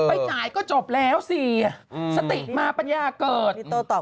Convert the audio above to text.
ไปจ่ายก็จบแล้วสิสติมาปัญญาเกิด